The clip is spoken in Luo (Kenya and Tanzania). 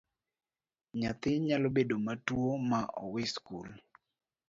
Nyathi nyalo bedo matuwo ma owe skul.